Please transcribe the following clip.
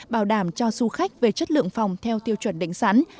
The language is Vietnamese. bảo đảm cho du khách về chất lượng phòng theo tiêu chuẩn định sẵn